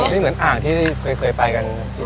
นี่เหมือนอ่างที่เผยไปกันนี่หู